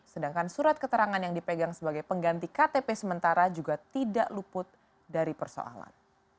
sedangkan surat keterangan yang dipegang sebagai pengganti ktp sementara juga tidak luput dari persoalan